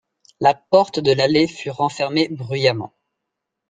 La porte de l’allée fut refermée bruyamment.